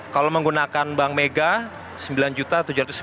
kalau menggunakan bank mega sembilan juta tujuh ratus sembilan puluh sembilan